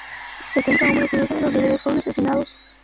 Setenta hombres y doce de los líderes fueron asesinados.